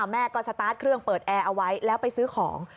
แม่ก็สตาร์ทเครื่องเปิดแอร์เอาไว้แล้วไปซื้อของ